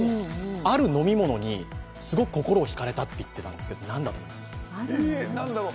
ある飲み物にすごく心をひかれたと言っていたんですが、何でしょう